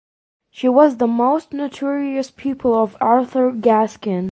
She was "the most notorious pupil of Arthur Gaskin".